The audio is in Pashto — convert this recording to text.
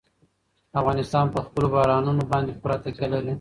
افغانستان په خپلو بارانونو باندې پوره تکیه لري.